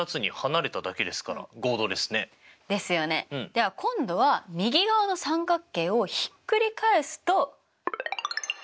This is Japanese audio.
では今度は右側の三角形をひっくり返すと。